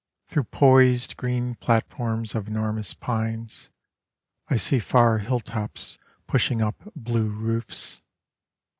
Through poised green platforms of enormous pines, I see far hilltops pushing up blue roofs.